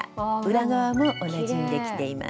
裏側も同じにできています。